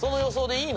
いい！